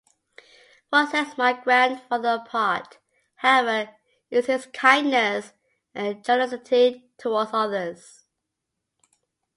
What sets my grandfather apart, however, is his kindness and generosity towards others.